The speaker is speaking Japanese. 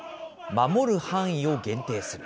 守る範囲を限定する。